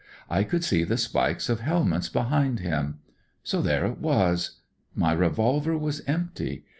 I could see the spikes of helmets behind him. So there it was. My revolver was empty.